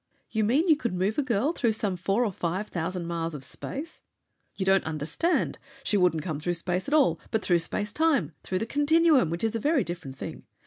"You mean you could move a girl through some four or five thousand miles of space!" "You don't understand. She wouldn't come through space at all, but through space time, through the continuum, which is a very different thing.